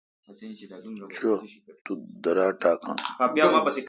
چو۔ تو ٹھ۔ درا تہ ٹاکون۔